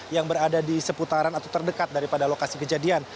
yang berada di seputaran atau terdekat daripada lokasi kejadian